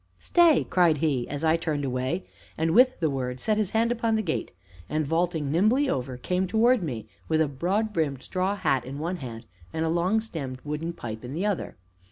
"Stay!" cried he as I turned away, and, with the word, set his hand upon the gate, and, vaulting nimbly over, came towards me, with a broad brimmed straw hat in one hand and a long stemmed wooden pipe in the other.